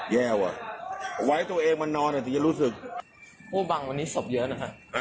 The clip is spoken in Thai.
แย่ว่ะไว้ตัวเองมานอนอ่ะถึงจะรู้สึกผู้บังวันนี้ศพเยอะนะคะ